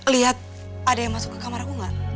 liat ada yang masuk ke kamar aku nggak